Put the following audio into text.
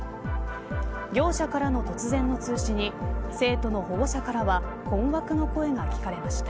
業者からの突然の通知に生徒の保護者からは困惑の声が聞かれました。